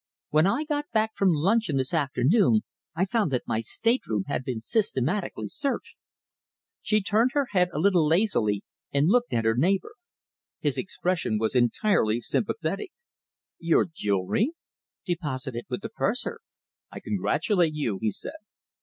When I got back from luncheon this afternoon I found that my stateroom had been systematically searched." She turned her head a little lazily and looked at her neighbour. His expression was entirely sympathetic. "Your jewellery?" "Deposited with the purser." "I congratulate you," he said.